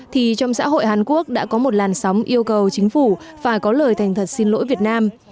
thì trong xã hội hàn quốc đã có một làn sóng yêu cầu chính phủ phải có lời thành thật xin lỗi việt nam